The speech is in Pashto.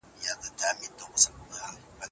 شیخ له زمانو راته په قار دی بیا به نه وینو